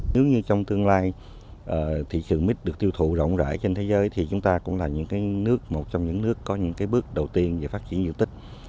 nếu như trong tương lai thị trường mít được tiêu thụ rộng rãi trên thế giới thì chúng ta cũng là những nước một trong những nước có những bước đầu tiên về phát triển diện tích